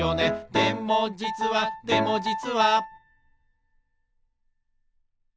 「でもじつはでもじつは」